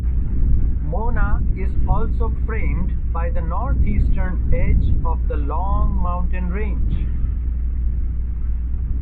Mona is also framed by the north-eastern edge of the Long Mountain range.